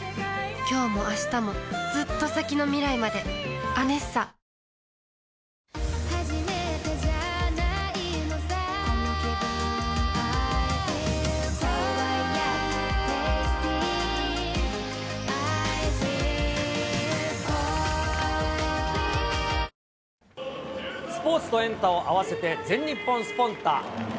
きょうもあしたもずっと先の未来まで「ＡＮＥＳＳＡ」スポーツとエンタを合わせて、全日本スポンタっ！